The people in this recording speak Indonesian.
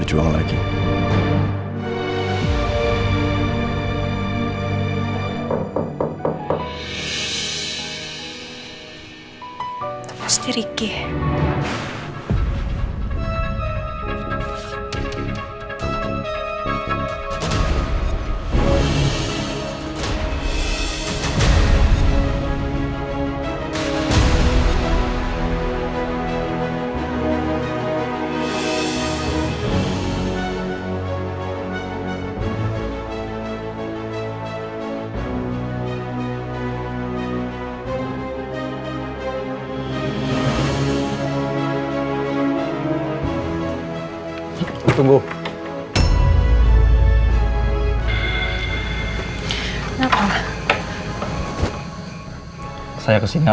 jadi dia bisa sembuh